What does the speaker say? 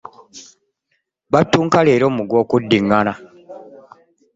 Bantuka leero mu gwokuddingana.